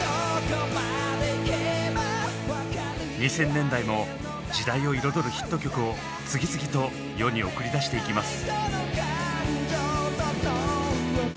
２０００年代も時代を彩るヒット曲を次々と世に送り出していきます。